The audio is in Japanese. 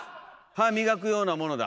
歯磨くようなものだ。